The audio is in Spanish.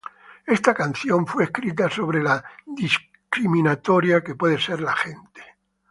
Esta canción fue escrita sobre lo discriminatoria que puede ser la gente.